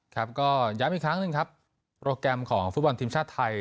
ครับก็ย้ำอีกครั้งหนึ่งครับโปรแกรมของฟุตบอลทีมชาติไทย